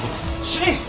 主任！